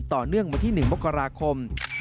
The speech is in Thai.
ต่อเนื่องวันที่๑มกราคม